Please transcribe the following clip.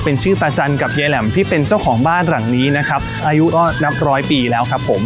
เป็นชื่อตาจันกับยายแหลมที่เป็นเจ้าของบ้านหลังนี้นะครับอายุก็นับร้อยปีแล้วครับผม